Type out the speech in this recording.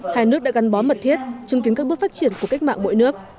hai nước đã gắn bó mật thiết chứng kiến các bước phát triển của cách mạng mỗi nước